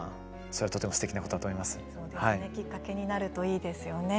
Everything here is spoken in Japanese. そうですねきっかけになるといいですよね。